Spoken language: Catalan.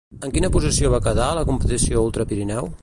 En quina posició va quedar a la competició Ultra Pirineu?